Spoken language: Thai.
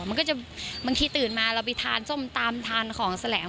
มันก็จะบางทีตื่นมาเราไปทานส้มตำทานของแสลง